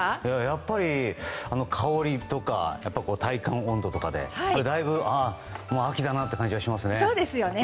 やっぱり香りとか体感温度とかで秋だなという気はしますね。